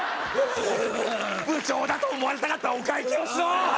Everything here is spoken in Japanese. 部長だと思われたかったらお会計をしろ！